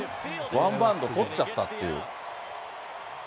ワンバウンド捕っちゃったっていう。